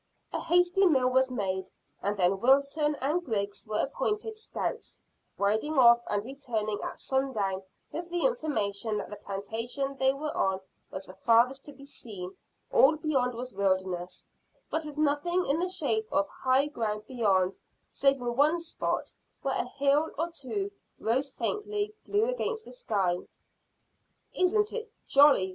A hasty meal was made, and then Wilton and Griggs were appointed scouts, riding off and returning at sundown with the information that the plantation they were on was the farthest to be seen all beyond was wilderness, but with nothing in the shape of high ground beyond, save in one spot where a hill or two rose faintly blue against the sky. "Isn't it jolly!"